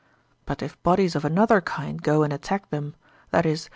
But if bodies of another kind go and attack them (i.e.